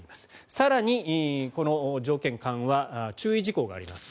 更にこの条件緩和注意事項があります。